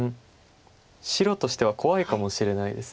白としては怖いかもしれないです。